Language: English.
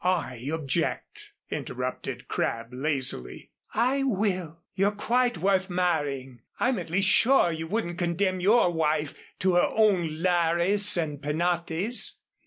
"I object," interrupted Crabb, lazily. "I will. You're quite worth marrying I'm at least sure you wouldn't condemn your wife to her own lares and penates."